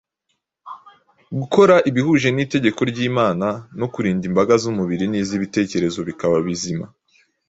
gukora ibihuje n’itegeko ry’Imana no kurinda imbaraga z’umubiri n’iz’ibitekerezo bikaba bizima.